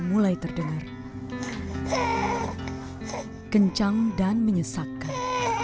mulai terdengar kencang dan menyesatkan